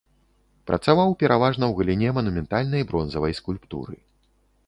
Працаваў пераважна ў галіне манументальнай бронзавай скульптуры.